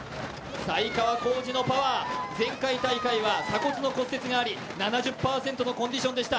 才川コージのパワー、前回大会は鎖骨の骨折があり７０％のコンディションでした。